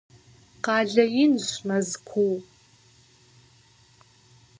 Къалэ инщ Мэзкуу.